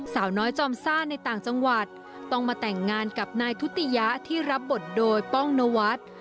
สาวน้อยจอมซ่าในต่างจังหวัดต้องมาแต่งงานกับนายทุติยะที่รับบทโดยป้องนวัฒน์